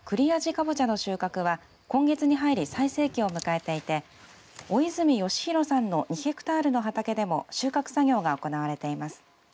カボチャの収穫は今月に入り最盛期を迎えていて尾泉義博さんの２ヘクタールの畑でも収穫作業が行われています。